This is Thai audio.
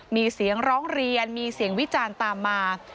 มีเสียงร้องเรียนมีเสียงวิจารณ์ตามมา